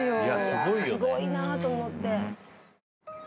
すごいなと思って。